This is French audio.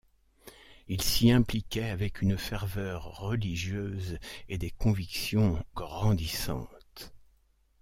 Il s'y impliquait avec une ferveur religieuse et des convictions grandissantes.